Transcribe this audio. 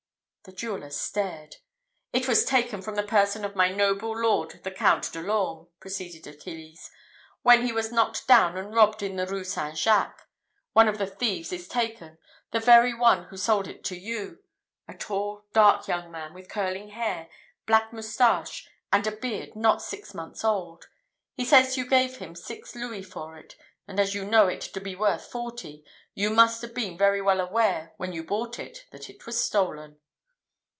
The jeweller stared. "It was taken from the person of my noble lord the Count de l'Orme," proceeded Achilles, "when he was knocked down and robbed in the Rue St. Jacques. One of the thieves is taken the very one who sold it to you a tall, dark young man, with curling hair, black moustache, and a beard not six months old. He says you gave him six louis for it; and as you know it to be worth forty, you must have been very well aware, when you bought it, that it was stolen."